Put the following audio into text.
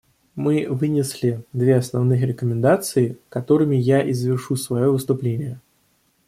Мы вынесли две основных рекомендации, которыми я и завершу свое выступление.